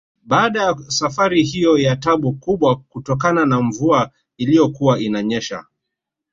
Baada ya safari hiyo ya tabu kubwa kutokana na mvua iliyokuwa inanyesha